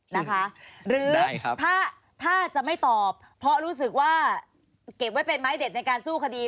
นะคะหรือถ้าถ้าจะไม่ตอบเพราะรู้สึกว่าเก็บไว้เป็นไม้เด็ดในการสู้คดี